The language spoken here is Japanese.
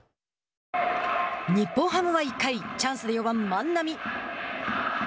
日本ハムは１回チャンスで４番万波。